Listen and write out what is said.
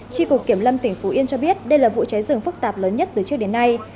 tri cục kiểm lâm tỉnh phú yên cho biết đây là vụ cháy rừng phức tạp lớn nhất từ trước đến nay